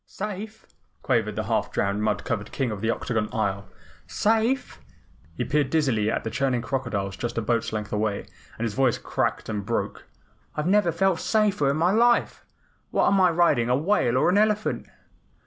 "Safe!" quavered the half drowned and mud covered King of the Octagon Isle. "SAFE?" He peered dizzily at the churning crocodiles just a boat's length away, and his voice cracked and broke. "I never felt safer in my life. What am I riding, a whale or an elephant?"